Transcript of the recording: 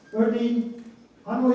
kita menempatkan taipei